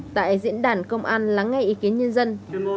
tại diễn đàn công an lắng nghe ý kiến nhân dân